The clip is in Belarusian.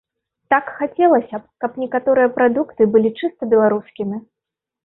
Так, хацелася б, каб некаторыя прадукты былі чыста беларускімі.